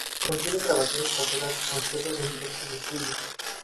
Contiene grabaciones caseras y conciertos en diversos estudios.